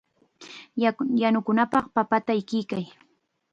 Yanukunapaq papata ikiykay.